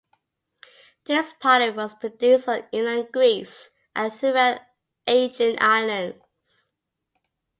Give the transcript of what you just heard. This pottery was produced on inland Greece and throughout the Aegean islands.